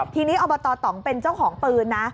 ทีนี้อบตตองเป็นเจ้าของปืนนะ